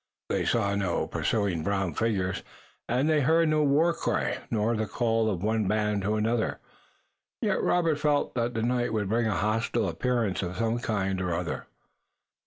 They saw no pursuing brown figures and they heard no war cry, nor the call of one band to another. Yet Robert felt that the night would bring a hostile appearance of some kind or other.